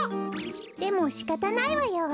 でもしかたないわよ。